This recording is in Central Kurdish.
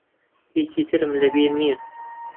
هیچی ترم لە بیر نییە.